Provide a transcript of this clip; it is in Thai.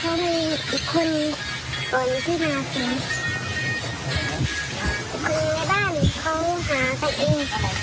หรอเออเขามีคน